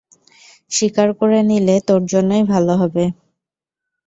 স্বীকার করে নিলে তোর জন্যেই ভালো হবে।